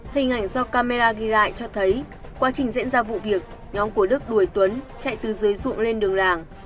hình ảnh do camera ghi lại cho thấy quá trình diễn ra vụ việc nhóm của đức đuổi tuấn chạy từ dưới ruộng lên đường làng